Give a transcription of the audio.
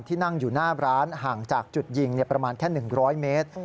นั่งอยู่หน้าร้านห่างจากจุดยิงประมาณแค่๑๐๐เมตร